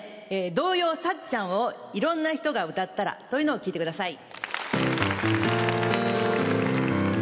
「童謡『サッちゃん』をいろんな人が歌ったら」というのを聴いてください。